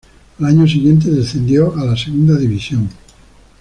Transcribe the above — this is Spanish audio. Al año siguiente descendió a la Segunda División.